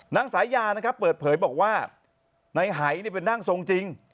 นายสายานะครับเปิดเผยบอกว่านายหายเป็นร่างทรงจริง